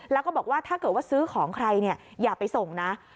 แล้วก็บอกว่าถ้าเกิดว่าซื้อของใครเนี่ยอย่าไปส่งนะ